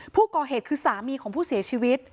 ผู้ก่อเหตุคือสามีของผู้เสียชีวิต